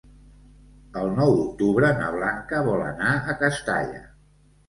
El nou d'octubre na Blanca vol anar a Castalla.